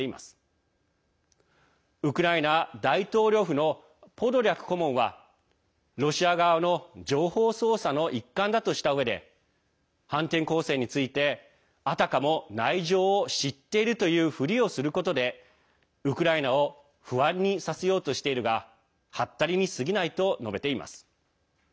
大統領府のポドリャク顧問はロシア側の情報操作の一環だとしたうえで反転攻勢についてあたかも内情を知っているというふりをすることでウクライナを不安にさせようとしているがはったりにすぎないと述べています。